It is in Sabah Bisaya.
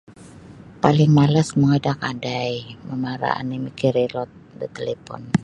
Paling malas mongoi da kadai mamara' ni' mikirilud da talipun.